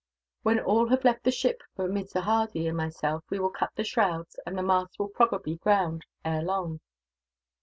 "When all have left the ship but Mr. Hardy and myself, we will cut the shrouds; and the masts will probably ground, ere long."